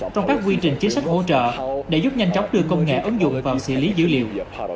trong các quy trình chính sách hỗ trợ để giúp nhanh chóng đưa công nghệ ứng dụng vào xử lý dữ liệu